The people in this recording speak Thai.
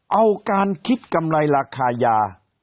เอาการคิดกำไรราคายา